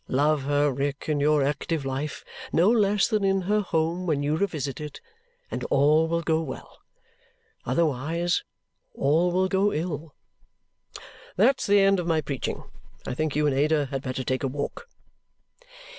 Love her, Rick, in your active life, no less than in her home when you revisit it, and all will go well. Otherwise, all will go ill. That's the end of my preaching. I think you and Ada had better take a walk."